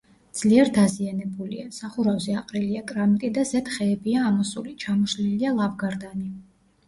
ძლიერ დაზიანებულია: სახურავზე აყრილია კრამიტი და ზედ ხეებია ამოსული, ჩამოშლილია ლავგარდანი.